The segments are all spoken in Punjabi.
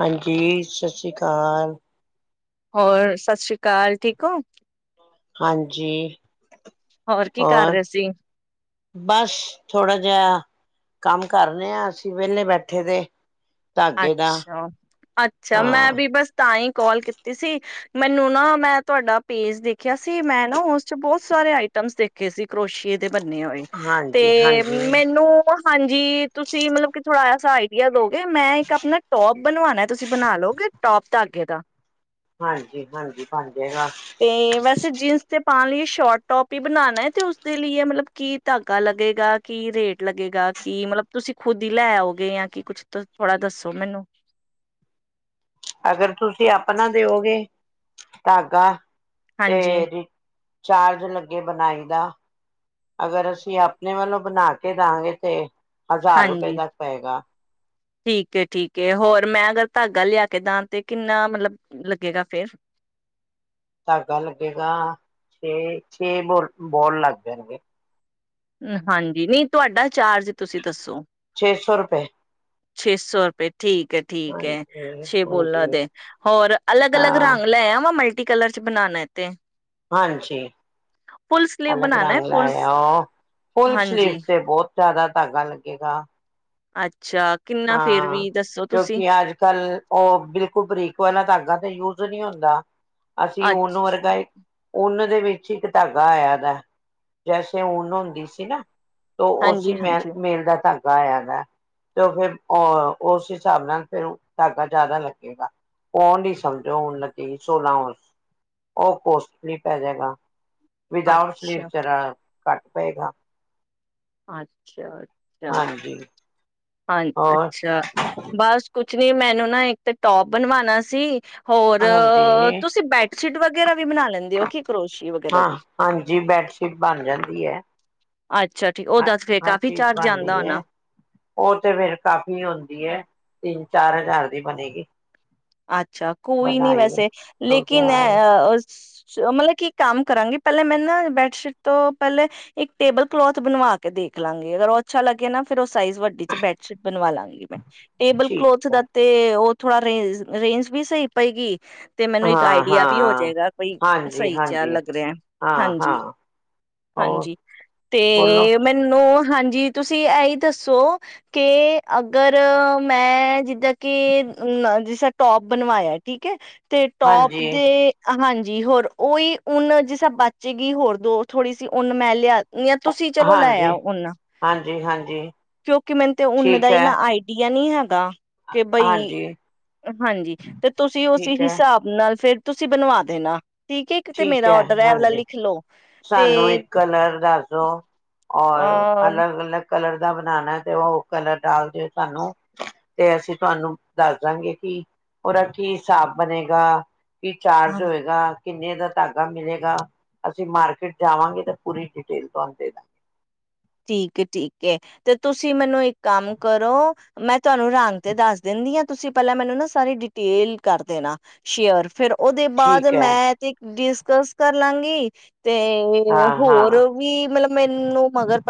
ਹਾਂਜੀ। ਸਤਿ ਸ਼੍ਰੀ ਅਕਾਲ। ਹੋਰ ਸਤਿ ਸ੍ਰੀ ਅਕਾਲ ਠੀਕ ਹੋ। ਹਾਂਜੀ। ਹੋਰ ਕੀ ਕਰ ਰਹੇ ਸੀ। ਬਸ ਥੋੜ੍ਹਾ ਜਿਹਾ ਕੰਮ ਕਰ ਰਹੇ ਹਾਂ, ਅਸੀਂ ਵਿਹਲੇ ਬੈਠੇ ਦੇ ਧਾਗੇ ਦਾ ਅੱਛਾ-ਅੱਛਾ ਮੈਂ ਹਾਂ ਵੀ ਬਸ ਤਾਂ ਹੀ ਕੋਲ ਕੀਤੀ ਸੀ ਮੈਨੂੰ ਨਾ ਮੈਂ ਤੁਹਾਡਾ ਪੇਜ ਦੇਖਿਆ ਸੀ ਮੈਂ ਨਾ ਉਸ ਚ ਬਹੁਤ ਸਾਰੇ ਆਈਟਮਸ ਦੇਖੇ ਸੀ ਕਰੋਸ਼ੀਏ ਤੇ ਬੰਨੇ ਹੋਏ ਹਾਂਜੀ ਤੇ ਹਾਂਜੀ ਮੈਨੂੰ ਹਾਂਜੀ ਤੁਸੀਂ ਮਤਲਬ ਕਿ ਥੋੜਾ ਐਸਾ ਆਈਡੀਆ ਦੋਗੇ ਮੈਂ ਆਪਣਾ ਟੋਪ ਬਣਵਾਣਾ ਤੁਸੀਂ ਬਣਾ ਲਓਗੇ ਟੋਪ ਤਾਗੇ ਦਾ ਹਾਂਜੀ ਹਾਂਜੀ ਬਣ ਜਾਏਗਾ ਤੇ ਵੈਸੇ ਜੀਨਸ ਤੇ ਪਾਉਣ ਲਈ। ਸ਼ੋਰਟ ਟੋਪ ਹੀ ਬਣਾਉਣਾ, ਤੇ ਉਸਦੇ ਲਈ ਮਤਲਬ ਕੀ ਧਾਗਾ ਲੱਗੇਗਾ, ਕੀ ਰੇਟ ਲੱਗੇਗਾ, ਕੀ ਮਤਲਬ ਤੁਸੀਂ ਖੁੱਦ ਹੀ ਲੈ ਆਓਗੇ ਜਾਂ ਕੀ ਕੁੱਛ ਥੋੜਾ ਦੱਸੋ ਮੈਨੂੰ। ਅਗਰ ਤੁਸੀਂ ਆਪਣਾ ਦਿਓਗੇ, ਧਾਗਾ? ਹਾਂਜੀ ਤੇਰੀ ਚਾਰਜ ਲੱਗੇ ਬਣਾਈ ਦਾ, ਅਗਰ ਅਸੀਂ ਆਪਣੇ ਵੱਲੋਂ ਬਣਾ ਕੇ ਦਵਗੇ ਤੇ ਹਜ਼ਾਰ ਰੁਪਏ ਹਾਂਜੀ, ਤੱਕ ਪਏਗਾ ਠੀਕ ਹੈ, ਠੀਕ ਹੈ, ਹੋਰ ਮੈਂ ਅਗਰ ਧਾਗਾ ਲਿਆ ਕੇ ਦਾਂ ਤੇ ਕਿੰਨਾ ਮਤਲਬ ਲੱਗੇਗਾ ਫੇਰ? ਧਾਗਾ ਲੱਗੇਗਾ ਛੇ-ਛੇ ਬੋ-ਬੋਲ ਲੱਗ ਜਾਣਗੇ। ਹਾਂਜੀ, ਨਹੀਂ ਤੁਹਾਡਾ ਚਾਰਜ ਤੁਸੀਂ ਦੱਸੋ। ਛੇ ਸੌ ਰੁਪਏ। ਛੇ ਸੌ ਰੁਪਏ। ਠੀਕ ਹੈ, ਠੀਕ ਹੈ ਹਾਂਜੀ ਛੇ ਬੋਲਾਂ ਹਾਂਜੀ ਦੇ ਔਰ ਅਲੱਗ-ਅਲੱਗ ਹਾਂ ਰੰਗ ਲੈ ਆਵਾ ਮਲਟੀ ਮਲਟੀ ਕਲਰ ਚ ਬਣਾਉਣਾ ਤੇ। ਹਾਂਜੀ। ਫੁੱਲ ਸਲੀਵ ਅਲੱਗ ਬਣਾਉਣਾ ਹੈ ਰੰਗ ਫੁੱਲ ਲੈਆਓ, ਫੁੱਲ ਹਾਂਜੀ ਸਲੀਵ ਤੇ ਬਹੁਤ ਜ਼ਿਆਦਾ ਧਾਗਾ ਲੱਗੇਗਾ। ਅੱਛ। ਹਾਂ, ਕਿਉਂਕਿ ਅੱਜ-ਕੱਲ ਉਹ ਬਿਲਕੁਲ ਬਰੀਕ ਵਾਲਾ ਧਾਗਾ ਤੇ ਯੂ ਨੀ ਹੁੰਦਾ। ਅਸੀਂ ਉਨ, ਅੱਛ ਵਰਗਾ ਈ ਊਨ ਔਹਂਦੇ ਵਿੱਚ ਇੱਕ ਧਾਗਾ ਆਇਆ ਦਾ ਜੈਸੇ ਊਨ ਹੁੰਦੀ ਸੀ ਨਾ ਤੇ ਹਾਂਜੀ ਉਸੀ ਮੇ ਹਾਂਜੀ ਮੇਲ ਦਾ ਧੰਗਾ ਗਾਯਾ ਨਾ ਤੇ ਉਹ ਫਿਰ ਅ ਉਸ ਹਿਸਾਬ ਨਾਲ ਫਿਰ ਧਾਗਾ ਜ਼ਿਆਦਾ ਲੱਗੇਗਾ, ਉਹਣੀ ਸਮਝੋ ਊਨ ਲਗੇਗੀ ਸੌਲਹ ਔਸ, ਉਹ ਕੋਸਟਲੀ ਪੈ ਜਾਏਗਾ। ਵਿਦਊਟ ਸਲੀਵ ਅੱਛਾ ਚਰ ਘੱਟ ਪਏਗਾ। ਅੱਛਾ। ਅੱਛਾ ਹਾਂਜੀ। ਹਾਂਜੀ, ਹੋਰ ਅੱਛਾ, ਬਸ ਕੁਛ ਜੀ ਮੈਨੂੰ ਨਾ ਇਕ ਤੇ ਟੋਪ ਬਣਵਾਣਾ ਸੀ। ਹੋਰ, ਹਾਂਜੀ ਤੁਸੀਂ ਬੈਡਸ਼ੀਟ ਵਗੈਰਾ ਵੀ ਬਣਾ ਲੈਂਦੇ ਹੋ, ਕਿ ਕਰੋਸ਼ੀ ਵਗੈਰਾ ਹਾਂ ਦੀ ਹਾਂਜੀ ਬੈਡਸ਼ੀਟ ਬਣ ਜਾਂਦੀ ਹੈ ਅੱਛਾ। ਹ ਉਹਦਾ ਤੇ ਫੇਰ ਹਾਂਜੀ, ਕਾਫ਼ੀ ਚੀਜ਼ ਚਾਰਜ ਆਂਦਾ ਬਣਦੀ ਹੋਣਾ ਹੈ, ਉਹ ਤੇ ਫਿਰ ਕਾਫ਼ੀ ਹੁਂਦੀ ਹੈ। ਤਿੰਨ-ਚਾਰ ਹਜ਼ਾਰ ਦੀ ਬਣੇਗੀ। ਅੱਛਾ, ਕੋਈ ਨਹੀਂ ਬਣਾਈ ਵੈਸੇ ਦੋ ਲੇਕਿਨ ਹਜ਼ਾਰ ਅ ਮਤਲਬ ਕਿ, ਕੰਮ ਕਰਾਂਗੇ ਪਹਿਲਾਂ ਮੈਂ ਨਾ ਬੈਡ ਸ਼ੀਟ ਤੋਂ ਪਹਿਲੇ ਇਕ ਟੇਬਲ ਕਲੋਥ ਬਣਵਾ ਕੇ ਦੇਖ ਲਾਂਗੀ ਅਗਰ ਉਹ ਅੱਛਾ ਲੱਗੇ ਨਾ ਫਿਰ ਸਾਈਜ਼ ਵੱਡੀ ਚ ਬੈਡਸ਼ੀਟ ਬਣਵਾ ਲਾਂਗੀ ਮੈਂ, ਟੇਬਲ ਠੀਕ ਕਲੋਥ ਹੈ ਦਾ ਤੇ ਉਹ ਥੋੜਾ ਰੇਂਜ ਰੇਂਜ ਵੀ ਸਹੀ ਪਏਗੀ। ਤੇ ਮੈਨੂੰ ਇੱਕ ਹਾਂ ਆਈਡੀਆ ਵੀ ਹੋ ਹਾਂ ਜਾਏਗਾ, ਥਈ ਹਾਂਜੀ ਸਹੀ ਜਾ ਹਾਂਜੀ ਲੱਗ ਰਿਹਾ, ਹਾਂ ਹਾਂ ਹੋਰ ਹਾਂਜੀ-ਹਾਂਜੀ ਬੋਲੋ ਤੇ ਮੈਨੂੰ ਹਾਂਜੀ ਤੁਸੀਂ ਇਹੀ ਦੱਸੋ ਕਿ ਅਗਰ ਮੈਂ ਜਿੱਦਾਂ ਕਿ ਅ ਜਿਸ ਟੋਪ ਬਣਵਾਇਆ ਠੀਕ ਹੈ। ਤੇ ਟੋਪ ਹਾਂਜੀ ਦੇ ਹਾਂਜੀ। ਜੀ, ਹੋਰ ਉਹੀ ਉਨ ਜਿਸ ਬਚੇਗੀ ਹੋਰ ਦੋ ਥੋੜੀ ਸੀ। ਉਨ ਮੈਂ ਲਿਆ ਜਾਂ, ਤੁਸੀਂ ਚਲੋ ਲੈ ਹਾਂਜੀ ਆ ਓਨਾ ਹਾਂਜੀ ਹਾਂਜੀ ਕਿਉਂਕਿ ਮੈਨੂੰ ਤੇ ਨਾ ਦਾ ਠੀਕ ਹੀ ਹੈ ਨਾ ਆਈਡੀਆ ਨਹੀਂ ਹੈਗਾ ਕਿ ਬਈ ਹਾਂਜੀ ਹਾਂਜੀ, ਤੇ ਤੁਸੀਂ ਉਸ ਠੀਕ ਹੈ ਹਿਸਾਬ ਨਾਲ ਨਾਲ ਫੇਰ ਤੁਸੀਂ ਬਣਵਾ ਦੇਣਾ। ਠੀਕ ਏ ਇੱਕ ਤੇ ਮੇਰਾ ਹੈ ਔਡਰ ਹੈਲਾ ਹਾਂਜੀ ਲਿਖ ਲੋਓ ਸਾਨੂੰ ਇੱਕ ਕਲਰ ਦੱਸੋ ਔਰ ਅਲੱਗ ਅਲੱਗ ਕਲਰ ਦਾ ਬਣਾਉਣਾ ਤੇ ਉਹ ਕਲਰ ਡਾਲ ਦਿਓ, ਸਾਨੂੰ ਤੇ ਅਸੀਂ ਤੁਹਾਨੂੰ ਦੱਸ ਦਾਂਗੇ ਕਿ ਉਹਦਾ ਕੀ ਹਿਸਾਬ ਬਣੇਗਾ ਕੀ ਅ ਚਾਰਜ ਹੋਏਗਾ। ਕਿੰਨੇ ਦਾ ਧਾਗਾ ਮਿਲੇਗਾ। ਅਸੀਂ ਮਾਰਕੀਟ ਜਾਵਾਂਗੇ ਤਾਂ ਪੂਰੀ ਡਿਟੇਲ ਤੁਹਾਨੂੰ ਦੇ ਦਾਂਗੇ ਠੀਕ, ਠੀਕ ਤੇ ਤੁਸੀਂ ਮੈਨੂੰ ਇੱਕ ਕੰਮ ਕਰੋ, ਮੈਂ ਤੁਹਾਨੂੰ ਰੰਗ ਤੇ ਦੱਸ ਦਿੰਦੀਆਂ ਤੁਸੀਂ ਪਹਿਲਾਂ ਮੈਨੂੰ ਨਾ ਸਾਰੀ ਡਿਟੇਲ ਕਰ ਦੇਣਾ ਸ਼ੇਅਰ ਫਿਰ ਉਹਦੇ ਬਾਅਦ ਠੀਕ ਹੈ ਮੈਂ ਤੇ ਇੱਕ ਡਿਸ ਦਸ ਕਰ ਲਾਂਗੀ ਤੇ ਹਾਂ ਹੋਰ ਹਾਂ ਵੀ ਮਤਲਬ ਮੈਨੂੰ ਮਗਰ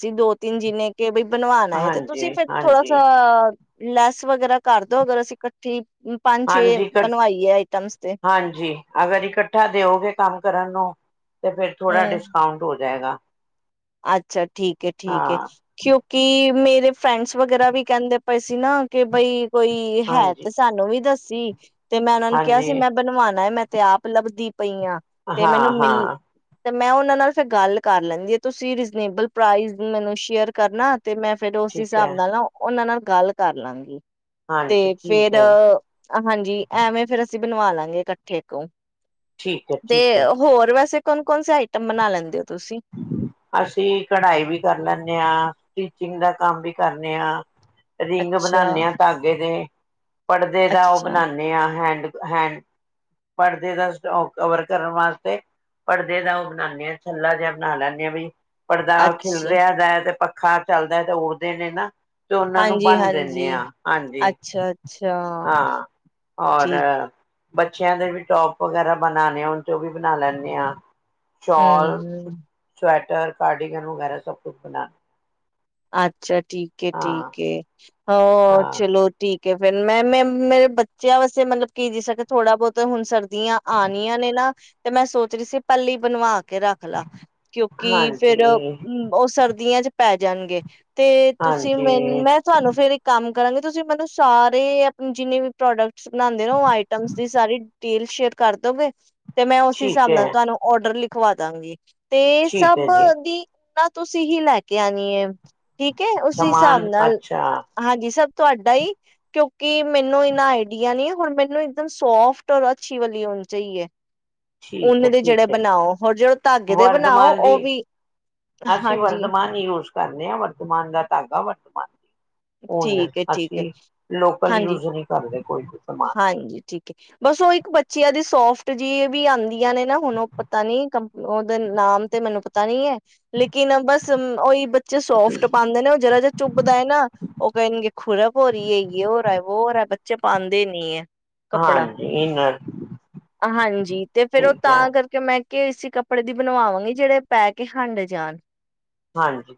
ਸੀ ਦੋ, ਤਿੰਨ ਜਿਨੇ ਕਿ ਬ ਬਣਵਾਣਾ ਹੈ। ਤੇ ਤੁਸੀਂ ਹਾਂਜੀ ਫਿਰ ਥੋੜਾ ਹਾਂਜੀ ਸ ਲੈਸ ਵਗੈਰਾ ਕਰਦੋ ਅਗਰ ਅਸੀਂ ਇਕੱਠੀ ਪੰਜ ਛੇ ਹਾਂਜੀ ਬਣਵਾਈਏ ਆਈਟਮਸ ਤੇ ਹਾਂਜੀ ਅਗਰ ਇਕੱਠਾ ਦਿਓਗੇ, ਕੰਮ ਕਰਨ ਨੂੰ ਤੇ ਫਿਰ ਥੋੜਾ ਹਮ ਡਿਸਕਾਊਂਟ ਹੋ ਜਾਏਗਾ। ਅੱਛਾ ਠੀਕ ਹੈ, ਠੀਕ ਹੈ ਹਾਂ ਕਿਉਂਕਿ ਮੇ ਮਰੇ ਫਰੈਂਡਸ ਵਗੈਰਾ ਵੀ ਕਹਿੰਦੇ ਪਏ ਸੀ। ਨਾ ਕਿ ਬਈ ਕੋਈ ਹੈ, ਹਾਂਜੀ ਤੇ ਸਾਨੂੰ ਵੀ ਦੱਸ ਜੀ ਤੇ, ਮੈਂ ਉਹਨਾਂ ਨੂੰ ਕਿਹਾ ਹਾਂਜੀ ਸੀ। ਮੈਂ ਬਣਵਾਉਣਾ ਮੈਂ ਤੇ ਆਪ ਲੱਬ ਦੀ ਪਈਆਂ ਤੇ ਹਾਂ ਮੈਨੂੰ ਮਿਲ ਹਾਂ ਤੇ, ਮੈਂ ਉਹਨਾਂ ਨਾਲ ਫਿਰ ਗੱਲ ਕਰ ਲੈਂਦੀ ਤੁਸੀਂ ਰੀਜਨੇਬਲ ਪ੍ਰਾਈਜ਼ ਮੈਨੂੰ ਸ਼ੇਅਰ ਕਰਨਾ ਤੇ ਮੈਂ ਫੇਰ ਉਸ ਠੀਕ ਹਿਸਾਬ ਹੈ ਨਾਲ ਨਾ ਉਹਨਾਂ ਨਾਲ ਗੱਲ ਕਰ ਲਾਂਗੀ। ਹਾਂਜੀ ਤੇ ਠੀਕ ਫੇਰ ਹੈ ਹਾਂਜੀ ਐਵੇਂ ਫੇਰ ਅਸੀਂ ਬਨਵਾ ਲਾਂਗੇ ਇਕੱਠੇ ਕੁ ਠੀਕ ਹੈ ਤੇ ਠੀਕ ਹੈ ਹੋਰ ਵੈਸੇ ਕੌਣ-ਕੌਣ, ਸੀ ਆਈਟਮ ਬਣਾ ਲੈਂਦੇ ਹੋ ਤੁਸੀਂ? ਅਸੀਂ ਕਢਾਈ ਵੀ ਕਰ ਲੈਂਨੇ ਆਂ, ਸਟੀਚਿੰਗ ਦਾ ਕੰਮ ਵੀ ਕਰਨੇ ਆਂ। ਰਿੰਗ ਅੱਛਾ ਬਨਾਨੇ ਆ ਧਾਗੇ ਦੇ। ਪੜ੍ਹਦੇ ਦਾ ਉਹ ਅੱਛਾ ਬਨਾਨੇ ਆ ਹੈਂਡ ਹੈਂਡ ਪਰਦੇ ਦਾ [unintelligible] ਕਵਰ ਕਰਨ ਵਾਸਤੇ ਪਰਦੇ ਦਾ ਉਹ ਬਨਾਨੇ ਆਂ ਛੱਲਾ ਜਿਹਾ ਬਨਾ ਲੈਂਨੇ ਆਂ ਬਈ ਪਰਦਾ ਅੱਛਾ ਖਿਲਰੀਆਂ ਦਾ ਏ ਤੇ ਪੱਖ ਖਾ ਚੱਲਦਾ ਤੇ ਓੜ੍ਹਦੇ ਨੇ ਨਾ। ਤੇ ਉਹਨਾਂ ਨੂੰ ਬੰਨ ਦਿੰਨੇ ਹਾਂਜੀ-ਹਾਂਜੀ, ਆਂ, ਹਾਂਜੀ ਅੱਛਾ-ਅੱਛਾ, ਹਾਂ ਔਰ ਠੀਕ ਬੱਚ ਚਿਆਂ ਦੇ ਵੀ ਟੋਪ ਵਗੈਰਾ ਬਨਾਨੇ ਹੋਣ ਤੇ ਉਹ ਵੀ ਬਣਾ ਲੈਨੇ ਆ। ਸ਼ੋਲ, ਹੂੰ। ਸਵੈਟ ਟਰ, ਕਰਡੀਗਨ ਵਗੈਰਾ ਸਭ ਕੁਛ ਬਨਾ ਅੱਛ ਛਾ, ਠੀਕ ਏ, ਠੀਕ ਏ। ਹਾਂ, ਚਲੋ ਠੀਕ। ਕੇ ਫੇਰ ਮੈਂ, ਮੈਂ ਮੇਰੇ ਬੱਚਿਆਂ ਵਾਸਤੇ ਮਤਲਬ ਕੀ, ਜਿਸ ਕਿ ਥੋੜਾ ਬਹੁਤ ਹੁਣ ਸਰਦੀਆਂ ਆਣੀਆਂ ਨੇ, ਨਾ ਤੇ ਮੈਂ ਸੋਚ ਰਹੀ ਸੀ ਪਹਿਲੇ ਹੀ ਬਵਾ ਕੇ ਰੱਖ ਲਾ, ਕਿਉਂਕਿ ਫੇਰ ਹਾਂਜੀ। ਉਹ ਸਰਦੀਆਂ ਚ ਪੈ ਜਾਨਗੇ। [unintelligible] ਤੇ ਤੁਸੀਂ ਮੈਨੂੰ, ਹਾਂਜੀ, ਮੈਂ ਤੁਹਾਨੂੰ ਫੇਰ ਇੱਕ ਕੰਮ ਕਰਾਂਗੇ, ਤੁਸੀਂ ਮੈਨੂੰ ਸਾਰੇ ਆਪਣੇ ਜਿੰਨੇ ਵੀ ਪ੍ਰੋਡਕਟਸ ਬਣਾਦੇ ਹੋ, ਉਹ ਆਈਟਮ ਦੀ ਸਾਰੀ ਡਿਟੇਲ ਸ਼ੇਅਰ ਕਰ ਦੋਗੇ। ਤੇ ਮੈਂ ਉਸ ਠੀਕ ਹਿਸਾਬ ਹੈ, ਨਾਲ ਤੁਹਾਨੂੰ ਔਡਰ ਲਿਖ ਖਵਾ ਦਾਂਗੀ। ਤੇ ਠੀਕ ਸਭ ਹੈ ਜੀ। ਦੀ ਨਾ ਤੁਸੀਂ ਹੀ ਲੈ ਕੇ ਆਨੀ ਐ। ਠੀਕ ਹੈ, ਉਸ ਹਿਸਾਬ ਸਮਾਨ ਨਾਲ ਅੱਛਾ, ਹਾਂਜੀ ਸਭ ਤੁਹਾਡਾ ਹੀ ਕਿਉਂਕਿ ਮੈਨੂੰ ਇੰਨਾ ਆਈਡੀਆ ਨੀ ਹੁਣ, ਮੈਨੂੰ ਇੱਕਦਮ ਸੋਫਟ ਔਰ ਅੱਛੀ ਵਾਲੀ ਉਣ ਚਾਹੀਏ। ਠੀਕ ਉਣ ਹੈ, ਦੇ ਜਿਹੜੇ ਠੀਕ ਹੈ। ਬਨਾਓ, ਹੋਰ ਜਦੋਂ ਧਾਗੇ ਦੇ ਬਨਾਓ, ਵਰਧਮਾਨ ਦੀ ਉਹ ਵੀ ਹਾਂਜੀ। ਵਰਤਮਾਨ ਦਾ ਧਾਗਾ ਵਰਤਮਾਨ ਦੀ। ਉੱਨ ਠੀਕ ਹੈ ਠੀਕ ਹੈ ਅਸੀਂ ਲੋਕਲ ਹਾਂਜੀ ਯੂਜ ਨਹੀਂ ਕਰਦੇ। ਕੋਈ ਵੀ ਸਮਾਨ। ਹਾਂਜੀ ਠੀਕ ਹੈ, ਬਸ ਉਹ ਇੱਕ ਬੱਚਿਆਂ ਦੀ ਸੋਫਟ ਜੀ ਇਹ ਵੀ ਆਦੀਆਂ ਨੇ ਨਾ ਹੁਣ ਉਹ ਪਤਾ ਨਹੀਂ ਨਾਮ ਉਹਦਾ ਨਾਮ ਤੇ ਮੈਨੂੰ ਪਤਾ ਨਹੀਂ ਐ। ਲੇਕਿਨ ਬਸ ਉਹੀ ਬੱਚੇ ਸੋਫਟ ਪਾਂਦੇ ਨੇ ਉਹ ਜਰਾ ਜਾ ਝੁਬਦਾ ਏ ਨਾ, ਉਹ ਕਹਿਣਗੇ ਖੁਰਾ ਭੋਰੀ ਏ ਹੋਰ ਆ ਵੋਰ ਆ। [unintelligible] ਦੇਨੀ ਆ। ਕੱਪੜਾ, ਹਾਂਜੀ, ਇਨਰ ਹਾਂਜੀ ਤੇ ਫਿਰ ਉਹ ਠੀਕ ਹੈ। ਤਾਂ ਕਰਕੇ ਮੈਂ ਕਿ ਅਸੀਂ ਕੱਪੜੇ ਦੀ ਬਣਵਾਵਾਂਗੇ ਜਿਹੜੇ ਪੈ ਕੇ ਹੰਡ ਜਾਣ। ਹਾਂਜੀ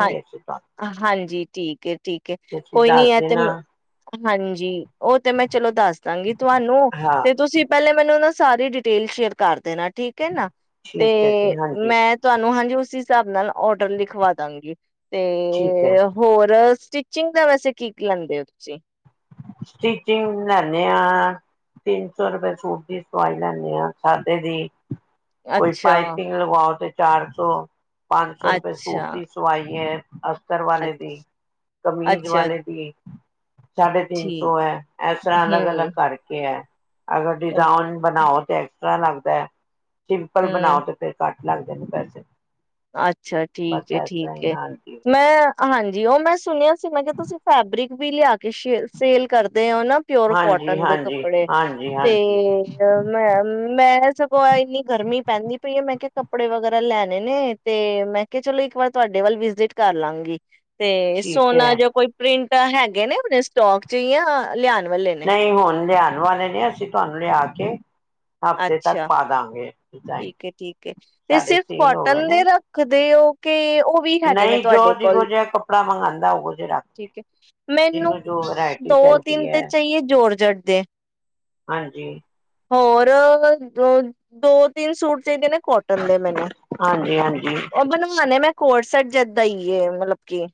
ਹਾਂ ਅਸੀਂ ਤੁਹਾਨੂੰ। ਹਾਂਜੀ ਠੀਕ ਫਿਰ ਠੀਕ ਐ ਤੁਸੀਂ ਕੋਈ ਨੀ ਦੱਸ ਐ ਤੇ ਦੇਣਾ, ਮੈਂ ਹਾਂਜੀ ਉਹ ਤੇ ਮੈਂ ਚਲੋ ਦੱਸਦਾਂਗੀ ਤੁਹਾਨੂੰ ਹਾਂ ਤੇ ਤੁਸੀਂ ਪਹਿਲਾਂ ਮੈਨੂੰ ਨਾ ਸਾਰੀ ਡਿਟੇਲ ਸ਼ੇਅਰ ਕਰ ਦੇਣਾ। ਠੀਕ ਏ ਨਾ ਤੇ ਠੀਕ ਹੈ ਜੀ, ਹਾਂਜੀ। ਮੈਂ ਤੁਹਾਨੂੰ ਹਾਂਜੀ ਉਸੀ ਹਿਸਾਬ ਨਾਲ ਆਰਡਰ ਲਿਖਵਦਾਂਗੀ ਤੇ ਠੀਕ ਹੈ, ਹੋਰ ਸਟੀਚਿੰਗ ਦਾ ਵੈਸੇ ਕੀ-ਕੀ ਲੈਂਦੇ ਓ ਤੁਸੀਂ। ਸਟਿਚਿੰਗ ਲੈਨੇ ਆ, ਤਿੰਨ ਸੌ ਰੁਪਏ ਸੂਟ ਦੀ ਸਮਾਈ ਲੈਨੇ ਆ ਸਾਦੇ ਦੀ। ਕੋਈ ਅੱਛਾ ਪਾਈਪਿੰਗ ਲਵਾਓ ਤੇ ਚਾਰ ਸੌ। ਪੰਜ ਸੌ ਰੁਪਏ ਅੱਛਾ ਸੂਟ ਦੀ ਸਵਾਈ ਐ। ਅਫਸਰ ਵਾਲੇ ਦੀ, ਅੱਛਾ ਕਮੀਜ਼ ਅੱਛਾ ਵਾਲੇ ਦੀ ਸਾਢੇ ਤਿੰਨ ਠੀਕ ਸੌ ਐ, ਐਸਾ-ਅਲਗ ਅਲਗ ਹੂੰ ਕਰਕੇ ਐ। ਆ ਗੱਡੀ ਓ ਤਾਂ ਬਣਾਓ ਤੇ ਐ ਲੱਗਦਾ ਸਿੰਪਲ ਹੂੰ ਬਣਾਓ ਤੇ ਫਿਰ ਘੱਟ ਲਗਦੇ ਨੇ ਪੈਸੇ। ਅੱਛਾ ਠੀਕ ਬਸ ਏ ਇਸ ਤਰ੍ਹਾਂ ਠੀਕ ਹੀ ਏ ਹਾਂਜੀ ਮੈਂ ਹਾਂਜੀ ਉਹ ਮੈਂ ਸੁਣਿਆ ਸੀ ਮੈਂ ਕਿਹਾ ਤੁਸੀਂ ਫੈਬਰਿਕ ਵੀ ਲਿਆ ਕੇ ਸੇਲ ਕਰ ਤੇ ਉਹਨਾਂ ਪਿਓਰ ਹਾਂਜੀ ਕੌਟਨ ਦੇ ਹਾਂਜੀ ਕੱਪੜੇ, ਹਾਂਜੀ ਹਾਂਜੀ ਤੇ ਮੈਂ ਮੈਂ ਸਗੋ ਇਨੀ ਗਰਮੀ ਪੈਂਦੀ ਪਈ ਏ ਮੈਂ ਕਿਹਾ ਕੱਪੜੇ ਵਗੈਰਾ ਲੈਣੇ ਨੇ। ਤੇ ਮੈਂ ਕਿਹਾ, ਚਲੋ ਇੱਕ ਵਾਰ ਤੁਹਾਡੇ ਵਲ ਵਿਜਿਟ ਕਰ ਲਾਂਗੀ। ਤੇ ਠੀਕ ਸੋਹਣਾ ਹੈ ਜਿਹਾ ਕੋਈ ਪ੍ਰਿੰਟ ਹੈਗੇ ਨੇ ਸਟੋਕ ਚ, ਹੀ ਯਾ ਲਿਆ ਨਹੀਂ, ਹੁਣ ਲਿਆ ਲਿਆਣੇ ਨੇ, ਅਸੀਂ ਤੁਹਾਨੂੰ ਲਿਆ ਕੇ। ਹਫ਼ਤੇ ਤੱਕ ਅੱਛਾ, ਪਾ ਦਾਂਗੇ ਡਿਜ਼ਾਇਨ ਠੀਕ ਹੈ ਠੀਕ, ਤੇ ਸਾਡੇ ਸਿਰਫ ਸੇਲ ਹੋ ਗਏ ਕੋਟਨ ਦੇ ਨੇ ਰੱਖਦੇ ਹੋ? ਕੇ। ਉਹ ਵੀ ਹੈਗੇ ਨੇ, ਨਹੀਂ ਜੋ ਤੁਹਾਡੇ ਕੋਲ, ਜਿਹੋ ਜਿਹਾ ਕੱਪੜਾ ਮੰਗਵਾਉਂਦਾ ਉਹੋ ਜਿਹਾ ਰੱਖ ਠੀਕ ਹੈ ਮੈਨੂੰ ਜਿਹਨੂੰ ਜੋ ਨਾ ਵਰਾਇਟੀ ਦੋ ਚਾਹੀਦੀ ਤਿੰਨ ਹੈ ਤੇ ਚਾਹੀਏ ਜੋਰਜਟ ਦੇ। ਹਾਂਜੀ। ਹੋਰ ਦੋ ਤਿੰਨ ਸੂਟ ਚਾਹੀਦੇ ਨੇ। ਕੋਟਨ ਦੇ ਮੈਨੂੰ, ਹਾਂਜੀ ਹਾਂਜੀ ਉਹ ਬਣਵਾਣੇ ਮੈਂ ਕੋਡਸੈਟ ਜਿਦਾਂ ਹੀ ਏ, ਮਤਲਬ। ਕੀ?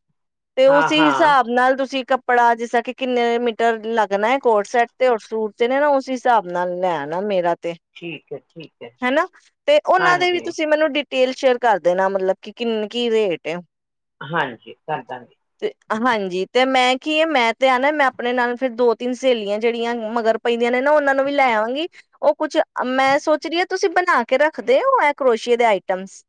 ਤੇ ਉਸ ਹਾਂ ਹਾਂ ਹਿਸਾਬ ਨਾਲ ਤੁਸੀਂ ਕੱ ਕੱਪੜਾ ਜਿਸ ਤਰਾਂ ਕਿ, ਕਿੰਨੇ ਮੀਟਰ ਲੱਗਣਾ ਹੈ ਕੋਟਸੈਟ ਤੇ? ਔਰ ਸੂਟ ਤੇ ਨਾ, ਉਸ ਹਿਸਾਬ। ਨਾਲ ਲੈ ਆਨਾ, ਮੇਰਾ ਤੇ ਠੀਕ ਹੈ ਠੀਕ ਹੈ ਨਾ, ਤੇ ਉਹਨਾਂ ਦੇ ਵੀ ਹਾਂਜੀ ਤੁਸੀਂ ਮੈਨੂੰ ਡੀ ਟੇਲ ਸ਼ੇਅਰ ਕਰ ਦੇਣਾ, ਮਤਲਬ ਕਿੰਨੇ-ਕੀ ਰੇਟ ਏ? ਹਾਂਜੀ ਕਰ ਦਾਂਗੇ ਤੇ ਹਾਂਜੀ, ਤੇ ਮੈਂ ਕੀ ਏ ਮੈਂ ਤੇ ਆਨਾ, ਮੈਂ ਆਪਣੇ ਨਾਲ ਫਿਰ ਦੋ-ਤਿੰਨ ਸਹੇਲੀਆਂ, ਜਿਹੜੀਆਂ ਮਗਰ ਪੈਂਦੀਆਂ ਨੇ ਨਾ, ਉਹਨਾਂ ਨੂੰ ਵੀ ਲੈ ਆਵਾਂਗੀ। ਉਹ ਕੁਝ ਮੈਂ ਸੋਚ ਰਹੀ ਹਾਂ - ਤੁਸੀਂ ਬਣਾ ਕੇ ਰੱਖਦੇ ਹੋ, ਹੈ ਕਰੋਸ਼ੀਏ ਦੇ ਆਈਟਮਸ?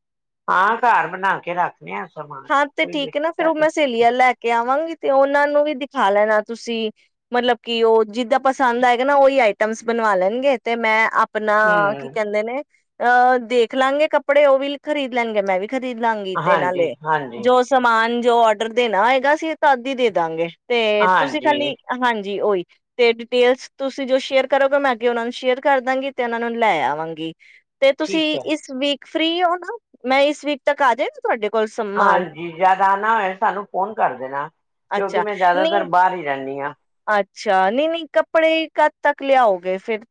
ਹਾਂ ਘਰ ਬਣਾ ਕੇ ਰੱਖਦੇ ਆ, ਸਮਾਨ ਕੋਈ। ਕੋਈ ਨਾ, ਫਿਰ ਵੇਖਦਾ ਉਹ ਤੇ ਮੈਂ ਸਹੇਲੀਆਂ ਲੈ ਕੇ ਆਵਾਂਗੀ। ਤੇ ਉਹਨਾਂ ਨੂੰ ਵੀ ਦਿਖਾ ਲੈਣਾ ਤੁਸੀਂ। ਮਤਲਬ ਕੀ, ਉਹ ਜਿਦਾਂ ਪਸੰਦ ਆਏਗਾ ਨਾ, ਉਹੀ ਆਈਟਮਸ ਬਣਵਾ ਲੈਣਗੇ। ਤੇ ਮੈਂ ਆਪ ਆਪਣਾ ਕੀ ਹਮ ਕਹਿੰਦੇ ਨੇ? ਅਹ, ਦੇਖ ਲਵਾਂਗੇ ਕੱਪੜੇ। ਉਹ ਵੀ ਖਰੀਦ ਲੈਣਗੇ, ਮੈਂ ਵੀ। ਖ਼ਰੀਦ ਲਾਂਗੀ ਤੇ ਹਾਂਜੀ ਨਾਲੇ, ਹਾਂਜੀ ਜੋ ਹਾਂਜੀ, ਜੋ ਆਰਡਰ ਦੇਣਾ ਹੋਏਗਾ ਅਸੀਂ ਤਦ ਹੀ ਦੇ ਦਾਂਗੇ। ਤੇ ਤੁਸੀਂ, ਖਾਲੀ ਹਾਂਜੀ ਹਾਂਜੀ। ਜੀ, ਓਹੀ। ਤੇ ਡਿਟੇਲਸ ਤੁਸੀਂ ਜੋ ਸ਼ੇਅਰ ਕਰੋਗੇ, ਮੈਂ ਅੱਗੇ ਉਹਨਾਂ ਨੂੰ ਸ਼ੇਅਰ ਕਰ ਦਾਂਗੀ। ਤੇ ਉਹਨਾਂ ਨੂੰ ਲੈ ਆਵਾਂਗੀ। ਤੇ ਠੀਕ ਤੁਸੀਂ ਹੈ ਇਸ ਵੀਕ ਫ੍ਰੀ ਹੋ ਨਾ, ਮੈਂ ਇਸ ਵੀਕ ਤੱਕ ਆ ਜਾ? ਤੁਹਾਡੇ ਕੋਲ ਸਮਾਲ ਜਦ ਆਨਾ ਹੋਏ, ਸਾਨੂੰ ਫੋਨ ਕਰ ਦੇਣਾ। ਕਿਉਂਕਿ ਮੈਂ ਜ਼ਿਆਦਾਤਰ ਬਾਹਰ ਹੀ ਰਹਿੰਦੀ ਹਾਂ। ਰਹਿੰਦੀ ਹਾਂ। ਅੱਛਾ, ਨਹੀਂ ਨਹੀਂ। ਕੱਪੜੇ ਕਦ ਤੱਕ ਲਿਆਓਗੇ ਫਿਰ?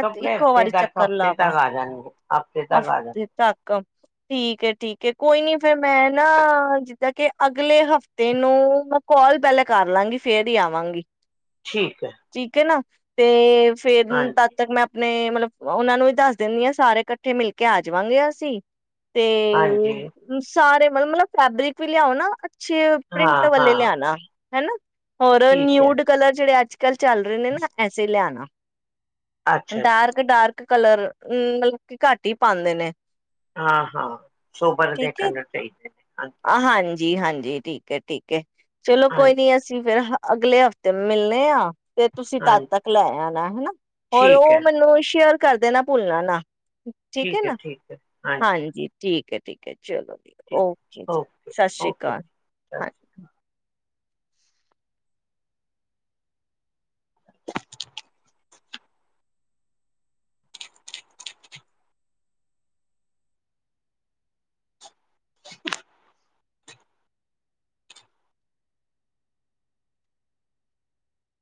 ਕੱਪੜੇ ਹਫ਼ਤੇ ਤੱਕ ਤੇ ਹਫਤੇ ਆ ਜਾਣਗੇ। ਹਫ਼ਤੇ ਤੱਕ ਆ ਜਾਣ ਹਫਤੇ ਤੱਕ। ਠੀਕ ਹੈ, ਠੀਕ ਹੈ। ਕੋਈ ਨੀ। ਫੇਰ ਮੈਂ ਨਾ, ਜਿੱਦਾਂ ਕਿ ਅਗਲੇ ਹਫ਼ਤੇ ਨੂੰ ਮੈਂ ਕਾਲ ਪਹਿਲਾਂ ਕਰ ਲਵਾਂਗੀ, ਫੇਰ ਹੀ ਆਵਾਂਗੀ। ਠੀਕ ਹੈ ਠੀਕ ਹੈ ਨਾ ਤੇਵ ਫੇਰ, ਤਦ ਹਾਂਜੀ ਤੱਕ ਮੈਂ ਆਪਣੇ ਮਤਲਬ, ਉਹਨਾਂ ਨੂੰ ਵੀ ਦੱਸ ਦਿੰਦੀ ਆ, ਸਾਰੇ ਇਕੱ ਉੱਠੇ ਮਿਲਕੇ ਆ ਜਾਵਾਂਗੇ ਅਸੀਂ ਤੇ ਹਾਂਜੀ ਸਾਰੇ ਮਲ ਫੈਬ੍ਰਿਕ ਵੀ ਲਿਆਓ ਨਾ ਛੇ ਪ੍ਰਿੰਟ ਹਾਂ ਵੱਲੇ ਹਾਂ ਲਿਆਣਾ। ਹਨਾ ਹੋਰ ਠੀਕ ਹੈ ਨਿਊਡ ਕਲਰ ਜਿਹੜੇ ਅੱਜ ਕੱਲ ਚੱਲ ਰਹੇ ਨੇ ਨਾ ਐਸੇ ਲਿਆਣਾ। ਅੱਛਾ ਜੀ ਡਾਰਕ- ਡਾਰਕ ਕਲਰ ਉਂਗ ਘੱਟ ਹੀ ਪਾਉਂਦੇ ਨੇ ਹਾਂ ਹਾਂ, ਸੋਬਰ ਦੇ ਕ ਚਾਹੀਦੇ ਨੇ। ਹਾਂਜੀ ਆ ਹਾਂਨ ਜੀ ਹਾਂਜੀ ਠੀਕ ਹੈ ਠੀਕ ਹੈ। ਚਲੋ ਕੋਈ ਹਾਂਜੀ ਨੀ ਅਸੀਂ ਫੇਰ ਅਗਲੇ ਹਫ਼ਤੇ ਮਿਲਣੇ ਆ। ਤੇ ਤੁਸੀਂ ਤਦ ਹਾਂਜੀ ਤੱਕ ਲੈ ਆਣਾ, ਹਨਾ ਹੋਰ ਠੀਕ ਉਹ ਹੈ ਮੈਨੂੰ ਸ਼ੇਅਰ ਕਰਦੇ ਨਾ ਭੁੱਲਣਾ ਨਾ ਠੀਕ ਹੈ ਨਾ ਹਾਂਜੀ, ਠੀਕ ਹੈ ਠੀਕ ਹੈ। ਚਲੋ ਜੀ, ਠੀਕ okay okay Sat Sri okay ਸਤਿ ਅਕਾਲ ਸ਼੍ਰੀ ਅਕਾਲ। ਹਾਂਜੀ [inaudible]